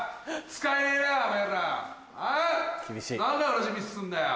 同じミスすんだよ！